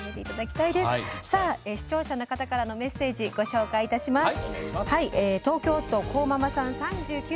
視聴者の方からのメッセージ、ご紹介いたします。